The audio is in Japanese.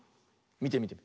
みてみて。